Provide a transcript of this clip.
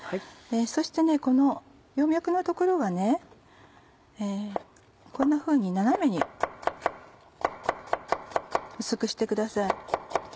そしてこの葉脈のところはこんなふうに斜めに薄くしてください。